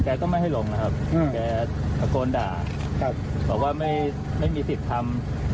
แกก็ไม่ให้หลงนะครับแกโกนด่าครับบอกว่าไม่ไม่มีสิทธิ์ทำ